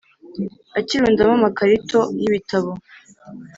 akirundamo amakarito y ibitabo.